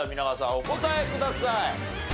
お答えください。